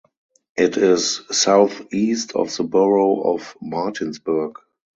It is southeast of the borough of Martinsburg.